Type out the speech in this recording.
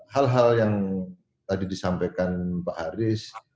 hal hal yang tadi disampaikan pak haris